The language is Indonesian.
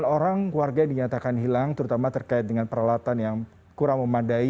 sembilan orang warga dinyatakan hilang terutama terkait dengan peralatan yang kurang memadai